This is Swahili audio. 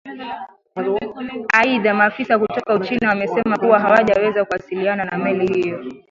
aidha maafisa kutoka uchina wamesema kuwa hawajaweza kuasiliana na meli hiyo